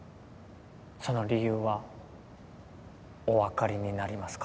その理由はおわかりになりますか？